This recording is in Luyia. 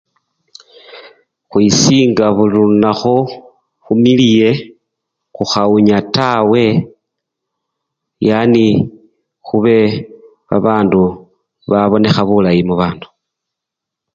Khwisinga buli lunakhu khumiliye khukhawunya tawe yani khube babandu babonekha bulayi mubandu.